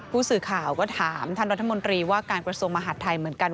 ผู้สื่อข่าวก็ถามท่านรัฐมนตรีว่าการกระทรวงมหาดไทยเหมือนกัน